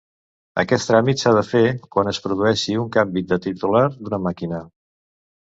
Aquest tràmit s'ha de fer quan es produeixi un canvi de titular d'una màquina.